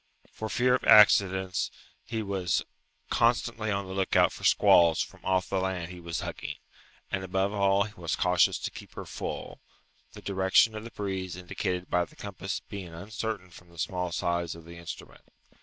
For fear of accidents, he was constantly on the lookout for squalls from off the land he was hugging, and above all he was cautious to keep her full; the direction of the breeze indicated by the compass being uncertain from the small size of the instrument.